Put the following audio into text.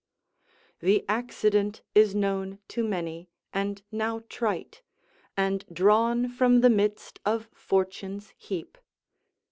["The accident is known to many, and now trite; and drawn from the midst of Fortune's heap."